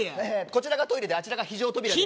こちらがトイレであちらが非常扉です